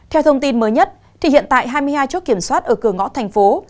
theo thông tin mới nhất thì hiện tại hai mươi hai chốt kiểm soát ở cửa ngõ thành phố